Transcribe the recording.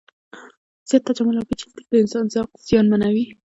زیات تجمل او پیچلتیا د انسان ذوق زیانمنوي.